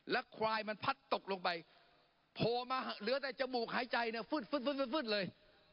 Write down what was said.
ควายมันพัดตกลงไปโผล่มาเหลือแต่จมูกหายใจเนี่ยฟืดเลย